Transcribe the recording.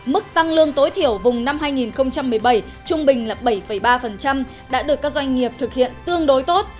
mức tăng lương tối thiểu vùng năm hai nghìn một mươi bảy trung bình là bảy ba đã được các doanh nghiệp thực hiện tương đối tốt